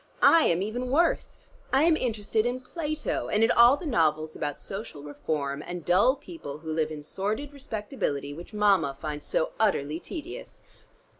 I am even worse. I am interested in Plato, and in all the novels about social reform and dull people who live in sordid respectability, which Mama finds so utterly tedious."